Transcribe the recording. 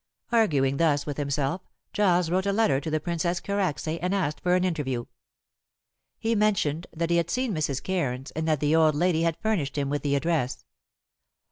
Arguing thus with himself, Giles wrote a letter to the Princess Karacsay and asked for an interview. He mentioned that he had seen Mrs. Cairns and that the old lady had furnished him with the address.